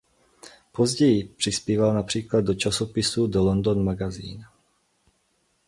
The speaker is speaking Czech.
Později přispíval například do časopisu "The London Magazine".